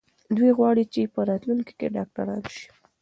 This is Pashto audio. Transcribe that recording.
دوی غواړي چې په راتلونکي کې ډاکټران سي.